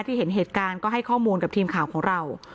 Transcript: เห็นเหตุการณ์ก็ให้ข้อมูลกับทีมข่าวของเรา